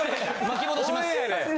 巻き戻します。